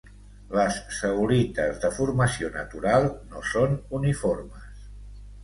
Les zeolites de formació natural no són uniformes.